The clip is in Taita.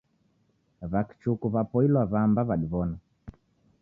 W'akichuku w'apoilwa w'amba w'adiw'ona.